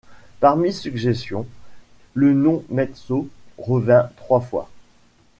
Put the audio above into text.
Parmi suggestions, le nom Metso revint trois fois.